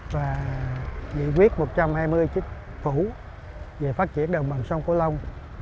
và dị quyết một trăm hai mươi chức phủ về phát triển đồng bằng sông cổ long